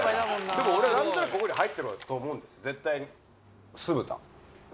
でも俺何となくここに入ってると思うんです絶対に。